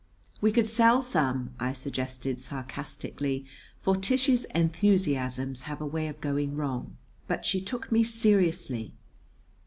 "We could sell some," I suggested sarcastically; for Tish's enthusiasms have a way of going wrong. But she took me seriously.